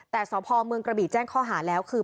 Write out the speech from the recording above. แต่สพเมืองกระบีแจ้งข้อหาแล้วคือ